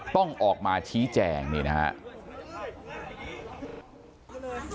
ต้องออกมาฉีแจงนี่นะฮะ